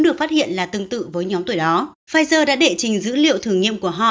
được phát hiện là tương tự với nhóm tuổi đó pfizer đã đệ trình dữ liệu thử nghiệm của họ